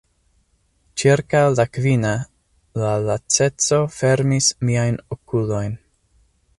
Ĉirkaŭ la kvina, la laceco fermis miajn okulojn.